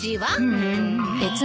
うん。